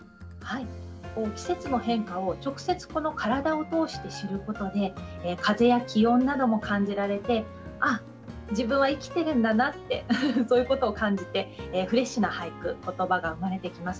季節の変化を直接体を通して知ることで風や気温なども感じられて自分は生きてるんだなってそういうことを感じてフレッシュな俳句、言葉が生まれてきます。